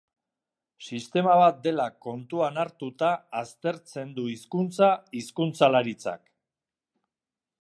Sistema bat dela kontuan hartuta aztertzen du hizkuntza hizkuntzalaritzak.